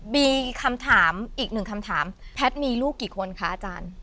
มีอีกคำถามแพทย์มีลูกกี่คนคะอาจารย์